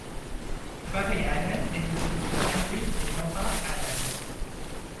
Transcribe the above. Barry Allen est le fils de Henry et Nora Allen.